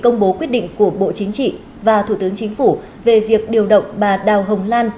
công bố quyết định của bộ chính trị và thủ tướng chính phủ về việc điều động bà đào hồng lan